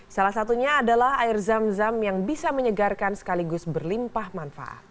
salah satunya adalah air zam zam yang bisa menyegarkan sekaligus berlimpah manfaat